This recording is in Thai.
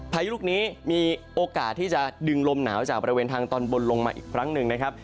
พายุลูกนี้มีโอกาสที่จะดึงลมหนาวจากบริเวณทางตอนบนลงมาอีกครั้งหนึ่งนะครับ